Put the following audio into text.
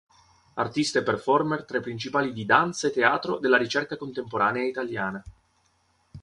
Artista e performer tra i principali di danza e teatro della ricerca contemporanea Italiana.